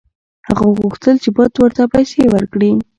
هغه غوښتل چې بت ورته پیسې ورکړي.